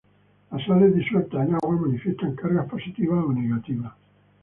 Las sales disueltas en agua manifiestan cargas positivas o negativas.